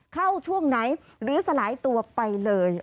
ช่วงไหนหรือสลายตัวไปเลย